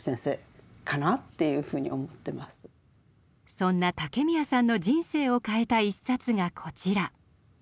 そんな竹宮さんの人生を変えた一冊がこちら。